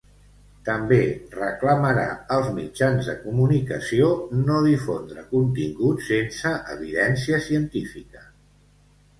També reclamarà als mitjans de comunicació no difondre contingut sense evidència científica.